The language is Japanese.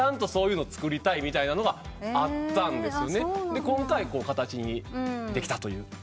で今回形にできたと。